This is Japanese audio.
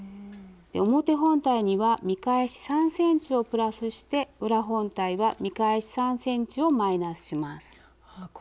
表本体には見返し３ｃｍをプラスして裏本体は見返し３ｃｍをマイナスします。